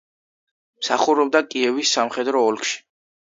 მსახურობდა კიევის სამხედრო ოლქში.